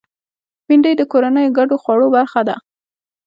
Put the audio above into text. بېنډۍ د کورنیو ګډو خوړو برخه ده